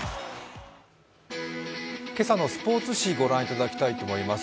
今朝のスポーツ紙をご覧いただきたいと思います。